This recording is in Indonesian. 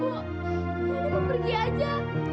iyena mau pergi aja